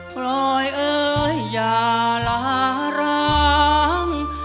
ภูยบันเลง